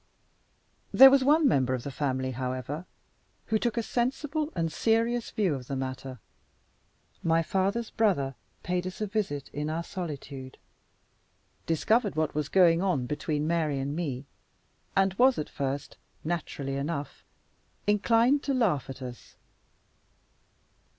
There was one member of the family, however, who took a sensible and serious view of the matter. My father's brother paid us a visit in our solitude; discovered what was going on between Mary and me; and was, at first, naturally enough, inclined to laugh at us.